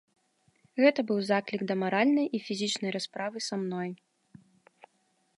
Гэта быў заклік да маральнай і фізічнай расправы са мной.